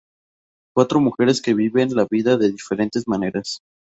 Cuatro mujeres que viven la vida de diferentes maneras.